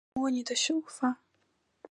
触摸你的秀发